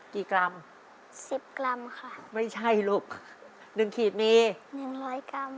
กี่กรัม๑๐กรัมค่ะไม่ใช่ลูก๑ขีดมี๑๐๐กรัม